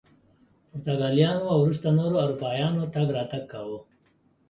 پرتګالیانو او وروسته نورو اروپایانو تګ راتګ کاوه.